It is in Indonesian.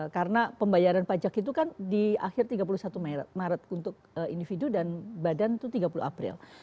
karena pembayaran pajak itu kan di akhir tiga puluh satu maret untuk individu dan badan itu tiga puluh april